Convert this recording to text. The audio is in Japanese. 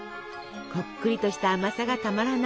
こっくりとした甘さがたまらない